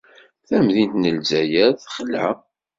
Tamdint n Lezzayer texla.